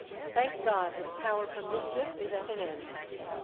Thank God, his power for mischief is at an end!